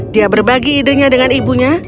dia berbagi idenya dengan ibunya